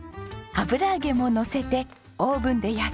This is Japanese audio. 油揚げものせてオーブンで焼けば。